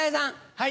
はい。